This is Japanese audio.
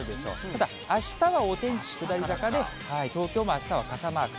ただあしたはお天気下り坂で、東京もあしたは傘マーク。